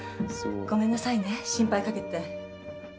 ごめんなさいね心配かけて。